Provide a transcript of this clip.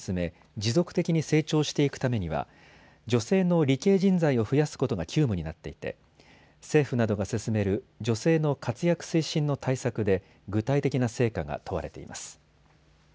持続的に成長していくためには女性の理系人材を増やすことが急務になっていて政府などが進める女性の活躍推進の対策で具体的な成果が問われています。